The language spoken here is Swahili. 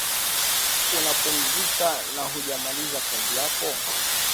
una pumzika na haujamaliza kazi yako